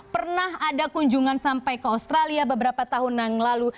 pernah ada kunjungan sampai ke australia beberapa tahun yang lalu